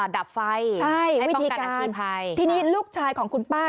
ดับไฟให้ป้องกันอักษีภัยใช่วิธีการที่นี่ลูกชายของคุณป้า